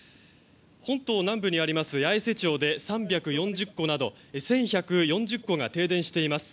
本島南部にあります八重瀬町で３４０戸など１１４０戸が停電しています。